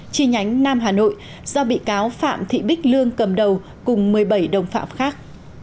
chi nhánh nam hà nội do bị cáo phạm thị bích lương cầm đầu cùng một mươi bảy đồng phạm khác